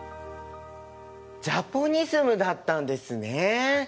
ジャポニスムだったんですね！